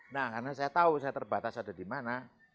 nah karena saya tahu saya terbatas ada di mana